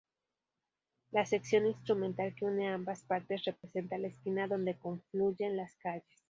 La sección instrumental que une ambas partes representa la esquina donde confluyen las calles.